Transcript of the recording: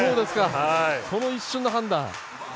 この一瞬の判断。